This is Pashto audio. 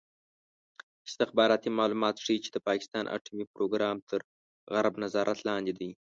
استخباراتي معلومات ښيي چې د پاکستان اټومي پروګرام تر غرب نظارت لاندې دی.